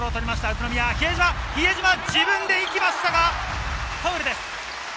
宇都宮、比江島が自分でいきましたが、ファウルです。